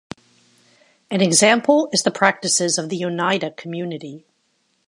An example is the practices of the Oneida Community.